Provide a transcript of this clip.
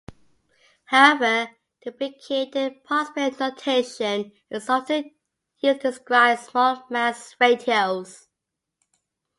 However, the deprecated parts-per notation is often used to describe small mass ratios.